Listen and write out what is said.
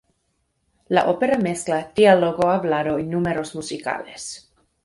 La ópera mezcla diálogo hablado y números musicales.